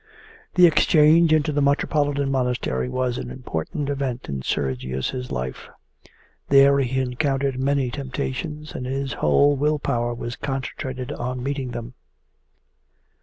The exchange into the metropolitan monastery was an important event in Sergius's life. There he encountered many temptations, and his whole will power was concentrated on meeting them.